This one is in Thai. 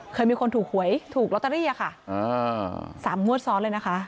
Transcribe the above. เคยมีคนถูกหวยถูกลอตเตอรี่อะค่ะอ่าสามงวดซ้อนเลยนะคะ